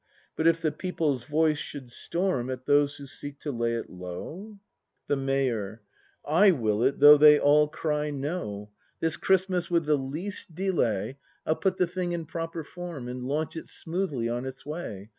But if the people's voice should storm At those who seek to lay it low —? The Mayor. / will it though they all cry No. This Christmas with the least delay ACT IV] BRAND I'll put the thing in proper form. And launch it smoothly on its way.